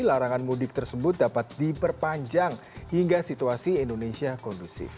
larangan mudik tersebut dapat diperpanjang hingga situasi indonesia kondusif